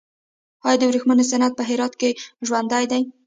آیا د ورېښمو صنعت په هرات کې ژوندی دی؟